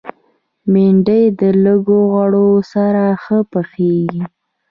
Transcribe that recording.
بېنډۍ د لږ غوړو سره ښه پخېږي